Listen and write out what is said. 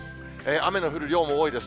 雨の降る量も多いです。